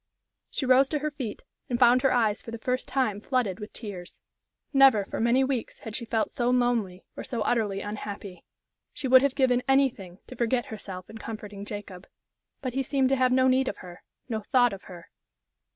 She rose to her feet, and found her eyes for the first time flooded with tears. Never for many weeks had she felt so lonely, or so utterly unhappy. She would have given anything to forget herself in comforting Jacob. But he seemed to have no need of her, no thought of her.